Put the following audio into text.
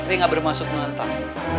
rey gak bermaksud menentang